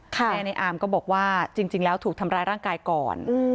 แม่ในอาร์มก็บอกว่าจริงแล้วถูกทำร้ายร่างกายก่อน